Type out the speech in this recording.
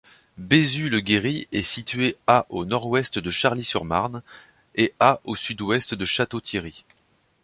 Bézu-le-Guéry est située à au nord-ouest de Charly-sur-Marne et à au sud-ouest de Château-Thierry.